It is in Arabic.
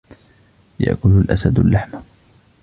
يأكل الأسد اللحم.